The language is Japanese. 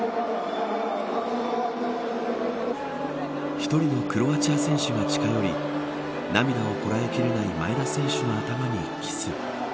１人のクロアチア選手が近寄り涙をこらえきれない前田選手の頭にキス。